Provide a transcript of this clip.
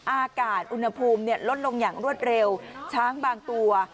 อากาศอุณหภูมิลดลงอย่างรวดเร็วช้างบางตัว